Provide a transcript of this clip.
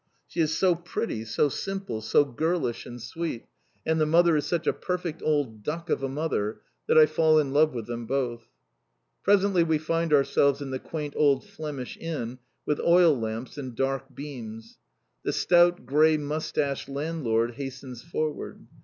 She is so pretty, so simple, so girlish, and sweet, and the mother is such a perfect old duck of a mother, that I fall in love with them both. Presently we find ourselves in the quaint old Flemish Inn with oil lamps and dark beams. The stout, grey moustached landlord hastens forward.